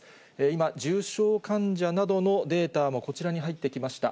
今、重症患者などのデータもこちらに入ってきました。